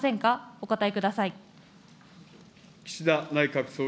お答えください。